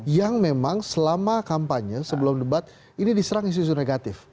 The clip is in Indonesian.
yang memang selama kampanye sebelum debat ini diserang isu isu negatif